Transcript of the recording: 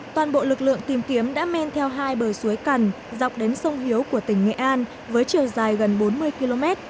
toàn bộ lực lượng tìm kiếm đã men theo hai bờ suối cần dọc đến sông hiếu của tỉnh nghệ an với chiều dài gần bốn mươi km